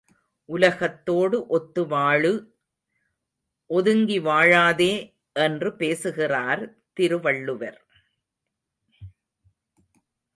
உலகத்தோடு ஒத்து வாழு ஒதுங்கி வாழாதே என்று பேசுகிறார் திருவள்ளுவர்.